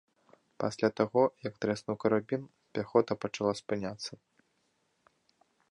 Пасля таго, як трэснуў карабін, пяхота пачала спыняцца.